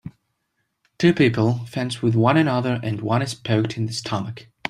Two people fence with one another and one is poked in the stomach